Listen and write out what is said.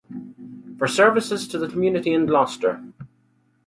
For services to the community in Gloucester.